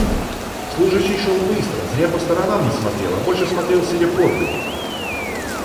Служащий шёл быстро, зря по сторонам не смотрел, а больше смотрел себе под ноги.